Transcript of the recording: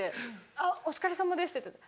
「あお疲れさまです」って出て。